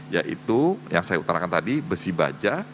yaitu yang saya utarakan tadi besi baja